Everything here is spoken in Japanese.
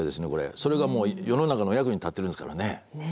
それがもう世の中の役に立ってるんですからね。